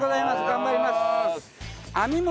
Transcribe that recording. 頑張ります。